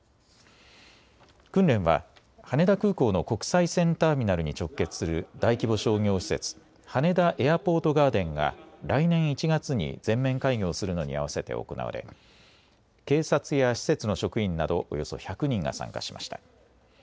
訓練は羽田空港の国際線ターミナルに直結する大規模商業施設、羽田エアポートガーデンが来年１月に全面開業するのに合わせて行われ警察や施設の職員などおよそ１００人が参加しました。